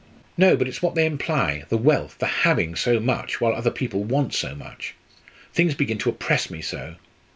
"No, but it's what they imply the wealth the having so much while other people want so much. Things begin to oppress me so!"